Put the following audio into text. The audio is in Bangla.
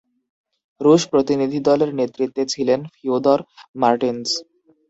রুশ প্রতিনিধিদলের নেতৃত্বে ছিলেন ফিয়োদর মারটেনস।